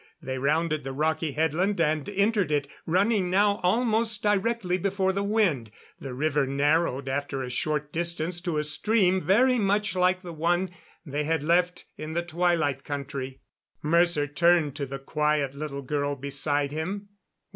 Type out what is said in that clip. They rounded the rocky headland and entered it, running now almost directly before the wind. The river narrowed after a short distance to a stream very much like the one they had left in the Twilight Country. Mercer turned to the quiet little girl beside him.